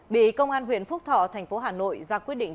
bị công an huyện phúc thọ thành phố hà nội ra quyết định